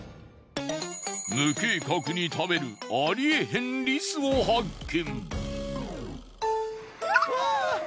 無計画に食べるありえへんリスを発見。